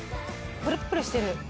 「プルップルしてる」